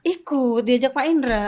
ikut diajak pak indra